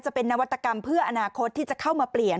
จะเป็นนวัตกรรมเพื่ออนาคตที่จะเข้ามาเปลี่ยน